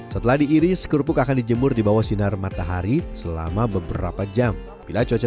setelah diiris kerupuk akan dijemur di bawah sinar matahari selama beberapa jam bila cuaca